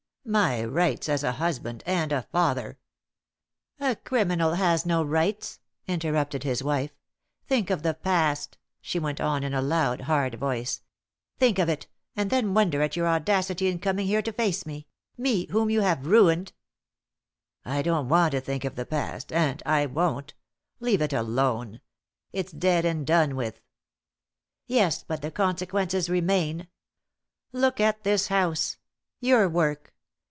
"My rights as a husband and a father " "A criminal has no rights," interrupted his wife. "Think of the past," she went on in a loud, hard voice. "Think of it, and then wonder at your audacity in coming here to face me me whom you have ruined." "I don't want to think of the past and I won't. Leave it alone. It's dead and done with." "Yes, but the consequences remain. Look at this house your work.